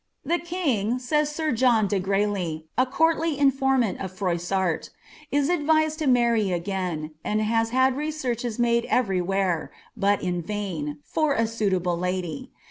" The king," says air John de Gcailly, a courijy infonnani of FW^ •art, " it adriaed to marry again, and 1ib« had researches made crery where, hut in vain, for u autlable lady.